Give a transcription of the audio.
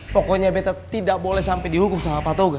pokoknya bete tidak boleh sampai dihukum sama apa tau ga